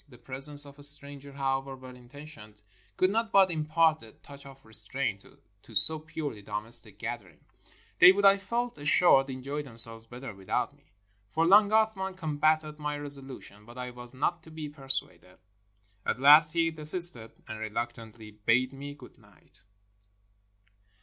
The presence of a stranger, however well intentioned, could not but im part a touch of restraint to so purely domestic a gather ing. They would, I felt assured, enjoy themselves better without me. For long Athman combated my resolution, but I was not to be persuaded. At last he desisted, and reluctantly bade me good night.